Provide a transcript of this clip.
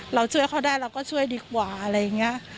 เราช่วยเขาได้เราก็ช่วยดีกว่าอะไรอย่างนี้